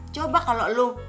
coba kalau lu